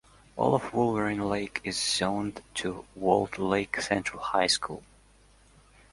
All of Wolverine Lake is zoned to Walled Lake Central High School.